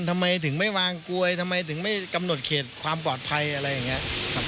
ทำไมถึงไม่วางกลวยทำไมถึงไม่กำหนดเขตความปลอดภัยอะไรอย่างนี้ครับ